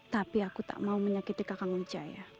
tapi aku tak mau menyakiti kakak ngejaya